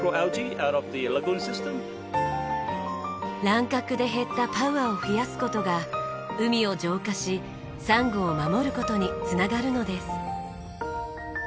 乱獲で減ったパウアを増やす事が海を浄化しサンゴを守る事に繋がるのです。